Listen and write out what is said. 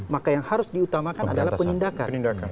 maka yang harus diutamakan adalah penindakan